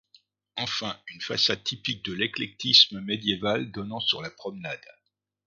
Enfin, une façade typique de l'éclectisme médiéval donnant sur la promenade.